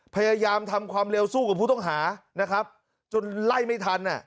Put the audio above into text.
พยายามทำความเร็วสู้กับผู้ต้องหานะครับจนไล่ไม่ทันอ่ะ